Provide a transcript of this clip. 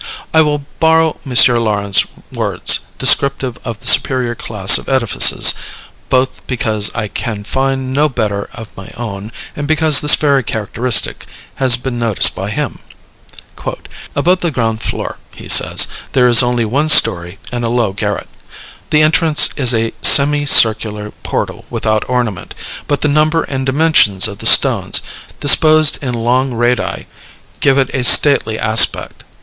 I will borrow M. Laurens's words, descriptive of the superior class of edifices, both because I can find no better of my own, and because this very characteristic has been noticed by him. "Above the ground floor," he says, "there is only one story and a low garret. The entrance is a semi circular portal without ornament; but the number and dimensions of the stones, disposed in long radii, give it a stately aspect.